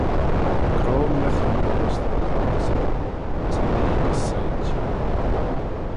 Croym my chree gys dty recortyssyn: as cha nee gys saynt.